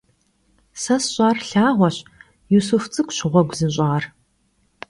Se sş'ıfar lhağueş, Yisuf ts'ık'uş ğuegu zış'ar.